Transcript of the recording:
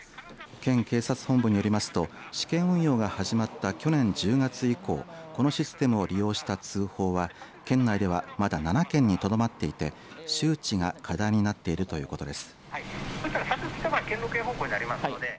県警察本部によりますと去年１０月以降このシステムを利用した通報は県ではまだ７件にとどまっていて周知が課題になっているということです。